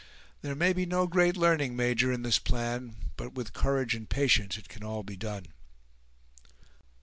There may be no great learning, major, in this plan, but with courage and patience it can all be done."